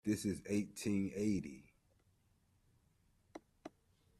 This is eighteen eighty.